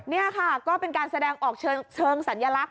นี่ค่ะก็เป็นการแสดงออกเชิงสัญลักษณ